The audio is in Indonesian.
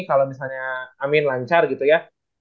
kalau misalnya amin lancar gitu ya